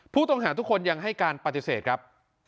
ผู้ต้องหาทุกคนยังให้การปฏิเสธครับ